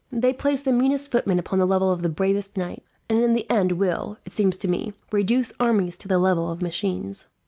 They place the meanest footman upon the level of the bravest knight, and in the end will, it seems to me, reduce armies to the level of machines."